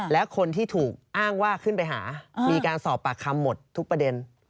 และคนที่ถูกอ้างว่าขึ้นไปหามีการสอบปากคำหมดทุกประเด็น